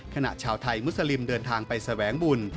ขณะชาวไทยมุสลิมเดินทางไปแสวงบุญ